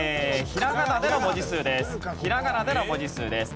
ひらがなでの文字数です。